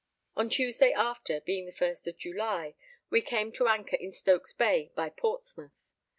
On Tuesday after, being the first of July, we came to anchor in Stokes Bay by Portsmouth.